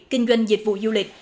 kinh doanh dịch vụ du lịch